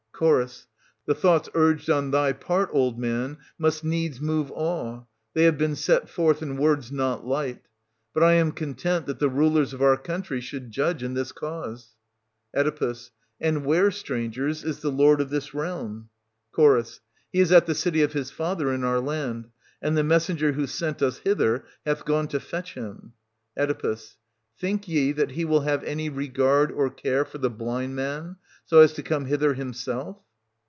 Ch. The thoughts urged on thy part, old man, must needs move awe ; they have been set forth in words not light; but I am content that the rulers of our country should judge in this cause. Oe. And where, strangers, is the lord of this realm .? Ch. He is at the city of his father in our land ; and the messenger who sent us hither hath gone to fetch him. Oe. Think ye that he will have any regard or care for the blind man, so as to come hither himself.'